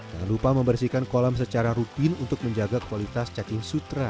jangan lupa membersihkan kolam secara rutin untuk menjaga kualitas cacing sutra